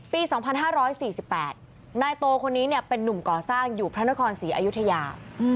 ปี๒๕๔๘นายโตคนนี้เป็นนุ่มก่อสร้างอยู่พระนครศรีอยุธยา